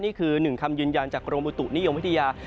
นี่คือหนึ่งคำยืนยันจากกรมบุตุนิยมวิทยา